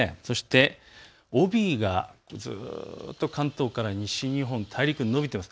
そして帯がずっと関東から西日本大陸に延びています。